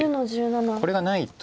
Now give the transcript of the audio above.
これがないと。